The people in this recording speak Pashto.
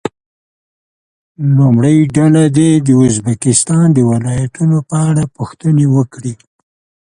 لومړۍ ډله دې د ازبکستان د ولایتونو په اړه پوښتنې وکړي.